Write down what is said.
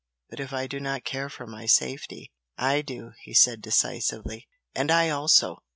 But if I do not care for my safety?" "I do!" he said, decisively. "And I also!"